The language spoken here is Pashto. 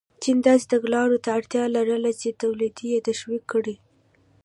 چین داسې تګلارو ته اړتیا لرله چې تولید یې تشویق کړي.